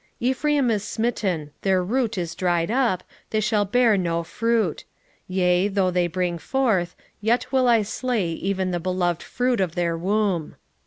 9:16 Ephraim is smitten, their root is dried up, they shall bear no fruit: yea, though they bring forth, yet will I slay even the beloved fruit of their womb.